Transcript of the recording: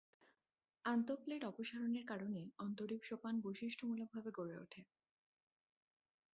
আন্তঃপ্লেট অপসারণের কারণে অন্তরীপ সোপান বৈশিষ্ট্যমূলকভাবে গড়ে উঠে।